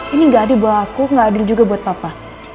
ini gak adil buat aku gak adil juga buat papa